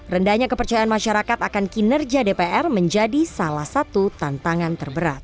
rendahnya kepercayaan masyarakat akan kinerja dpr menjadi salah satu tantangan terberat